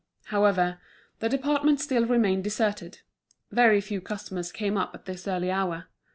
However, the department still remained deserted; very few customers came up at this early hour.